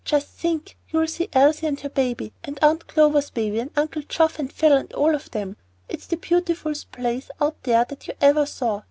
"Just think, you'll see Elsie and her baby, and Aunt Clover's baby, and Uncle Geoff and Phil, and all of them. It's the beautifulest place out there that you ever saw.